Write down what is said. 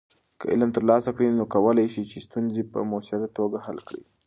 که علم ترلاسه کړې، نو کولی شې چې ستونزې په مؤثره توګه حل کړې.